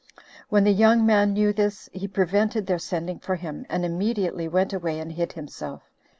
When the young man knew this, he prevented [their sending for him], and immediately went away and hid himself.